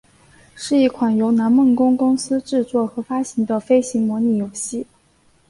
是一款由南梦宫公司制作和发行的飞行模拟游戏。